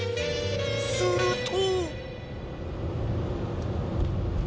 ［すると］